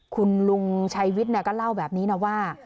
คุณลุงชัยวิทย์ก็เล่าแบบนี้นะว่า